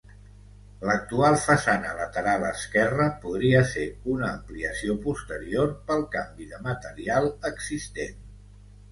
L'actual façana lateral esquerra podria ser una ampliació posterior, pel canvi de material existent.